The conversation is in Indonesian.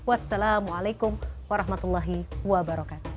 wassalamualaikum warahmatullahi wabarakatuh